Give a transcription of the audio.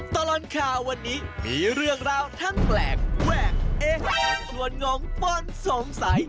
ตลอดข่าววันนี้มีเรื่องราวทั้งแปลกแวกเอ๊ะชวนงงป้นสงสัย